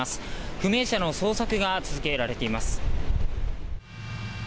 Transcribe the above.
不明者の捜索が続けられています。